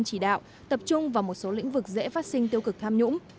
chỉ đạo tập trung vào một số lĩnh vực dễ phát sinh tiêu cực tham nhũng